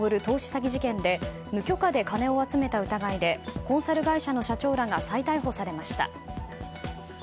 詐欺事件で無許可で金を集めた疑いでコンサル会社の社長らが再逮捕されました。